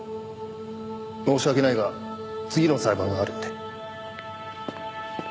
申し訳ないが次の裁判があるんで。